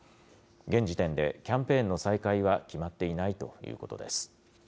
現時点でキャンペーンの再開は決まっていないということです。